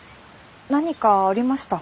何かありました？